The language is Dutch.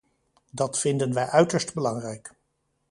Dat vinden wij uiterst belangrijk.